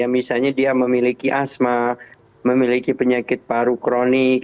misalnya dia memiliki asma memiliki penyakit paru kronik